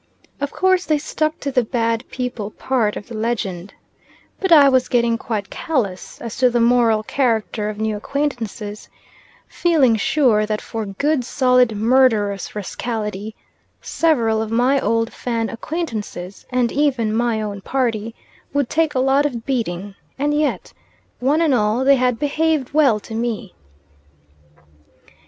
Of course they stuck to the bad people part of the legend; but I was getting quite callous as to the moral character of new acquaintances, feeling sure that for good solid murderous rascality several of my old Fan acquaintances, and even my own party, would take a lot of beating; and yet, one and all, they had behaved well to me.